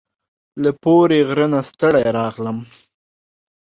له پوري غره نه ستړي راغلم